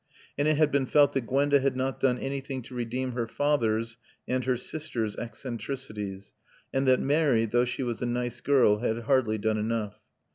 And it had been felt that Gwenda had not done anything to redeem her father's and her sister's eccentricities, and that Mary, though she was a nice girl, had hardly done enough.